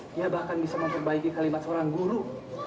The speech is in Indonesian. dia bahkan bisa memperbaiki kalimat seorang guru